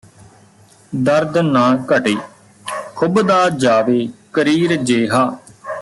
ਦਰਦ ਨਾ ਘਟੇ ਖੁੱਭਦਾ ਜਾਵੇ ਕਰੀਰ ਜੇਹਾ